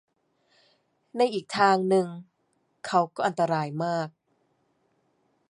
ในอีกทางนึง เขาก็อันตรายมาก